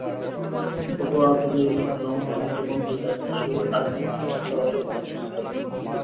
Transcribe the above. পাটুয়াটুলীর রমাকান্ত নন্দী লেনে শহীদ আজমল হোসেন ছাত্রাবাসেরও কোনো অস্তিত্ব দেখা যায়নি।